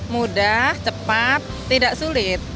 mudah cepat tidak sulit